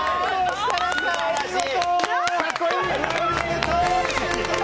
設楽さん、お見事！